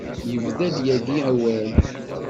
Yebda-d yagi awal.